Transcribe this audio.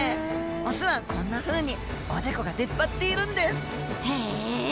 オスはこんなふうにおでこが出っ張っているんですへえ！